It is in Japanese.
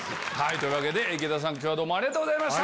というわけで池田さん今日はありがとうございました。